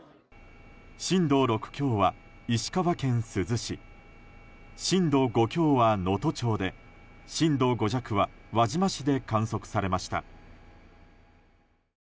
震度６強は石川県珠洲市震度５強は能登町で震度５弱は輪島市で観測されました。